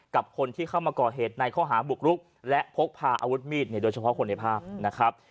กับคนที่เข้ามาก่อเหตุในข้อหาบุกรุกและพกพาอาวุธมีดเนี่ยโดยเฉพาะคนในภาพนะครับ